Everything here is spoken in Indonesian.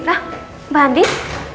hah mbak andin